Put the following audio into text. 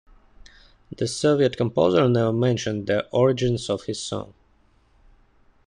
The Soviet composer never mentioned the origins of his song.